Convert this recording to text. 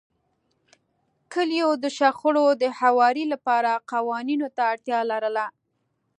کلیو د شخړو د هواري لپاره قوانینو ته اړتیا لرله.